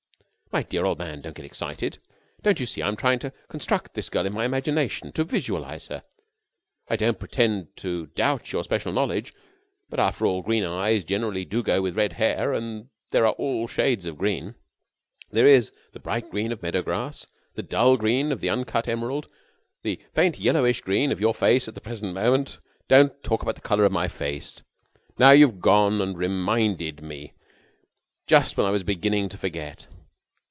"My dear old man, don't get excited. Don't you see I am trying to construct this girl in my imagination, to visualise her? I don't pretend to doubt your special knowledge, but after all green eyes generally do go with red hair and there are all shades of green. There is the bright green of meadow grass, the dull green of the uncut emerald, the faint yellowish green of your face at the present moment...." "Don't talk about the colour of my face! Now you've gone and reminded me just when I was beginning to forget."